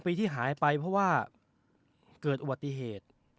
ปีที่หายไปเพราะว่าเกิดอุบัติเหตุ